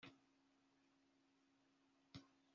Ntekereza ko abantu bose basanzwe babizi